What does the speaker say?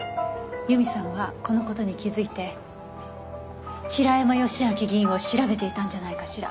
由美さんはこの事に気づいて平山義昭議員を調べていたんじゃないかしら？